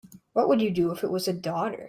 What would you do if it was a daughter?